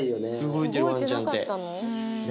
動いてるワンちゃんって。